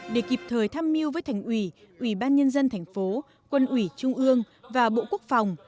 để kịp thời tham mưu với thành ủy ủy ban nhân dân thành phố quân ủy trung ương và bộ quốc phòng